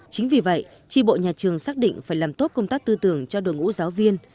chính vì vậy tri bộ nhà trường xác định phải làm tốt công tác tư tưởng cho đội ngũ giáo viên